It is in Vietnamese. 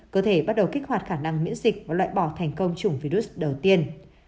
cơ thể bắt đầu kích hoạt khả năng miễn dịch và loại bỏ thành công chủng virus đầu tiên